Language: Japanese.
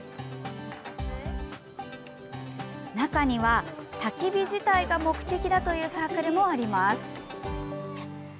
中には、たき火自体が目的だというサークルもあります。